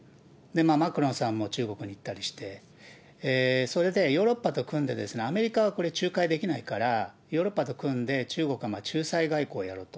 マクロンさんも中国に行ったりして、それでヨーロッパと組んで、アメリカはこれ仲介できないから、ヨーロッパと組んで、中国は仲裁外交をやろうと。